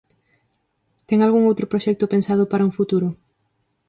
Ten algún outro proxecto pensado para un futuro?